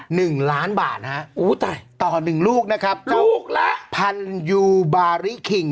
หนึ่งล้านบาทฮะอู้ตายต่อหนึ่งลูกนะครับลูกละพันยูบาริคิง